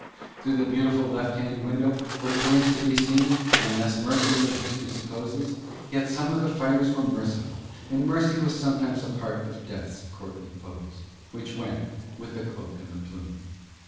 Through the beautiful left hand window were killings to be seen, and less mercy than History supposes, yet some of the fighters were merciful, and mercy was sometimes a part of Death's courtly pose, which went with the cloak and the plume.